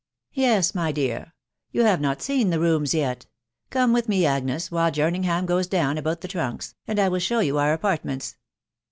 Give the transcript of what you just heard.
"Yes, my dear. .... You have not seen the rooms yet; come with me Agnes, while Jernisgham goes down about the trunks, and I will show you our apartments."